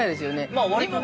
◆まあ割とね。